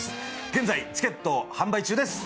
現在、チケット販売中です。